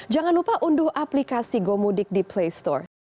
jangan lupa unduh aplikasi gomudik di playstore